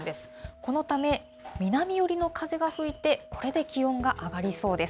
このため、南寄りの風が吹いて、これで気温が上がりそうです。